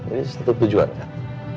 ini satu tujuan kan